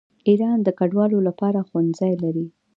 ایران د کډوالو لپاره ښوونځي لري.